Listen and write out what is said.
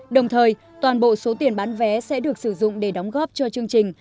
đồng thời toàn bộ số tiền bán vé sẽ được sử dụng để đóng góp cho chương trình